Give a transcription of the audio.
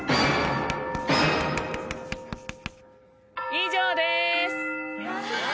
以上です。